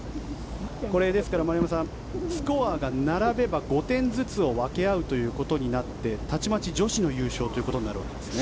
ですから、丸山さんスコアが並べば５点ずつを分け合うということになってたちまち女子の優勝ということになるわけですね。